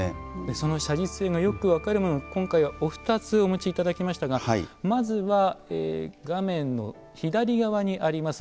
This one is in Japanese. その写実性がよく分かるものを今回はお２つお持ちいただきましたがまずは画面の左側にあります